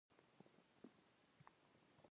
په ځیر ځیر مو ورته هېڅ نه و کتلي.